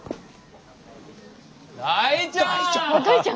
大ちゃん！